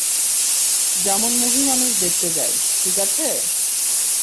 যেমন মানুষ মুভি দেখতে যায়, ঠিক আছে?